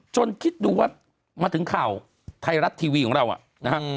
คิดดูว่ามาถึงข่าวไทยรัฐทีวีของเรานะฮะ